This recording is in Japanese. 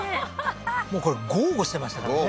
もうこれ豪語してましたからね